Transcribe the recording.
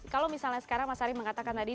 kalau misalnya sekarang mas ari mengatakan tadi